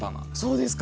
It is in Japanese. そうですか。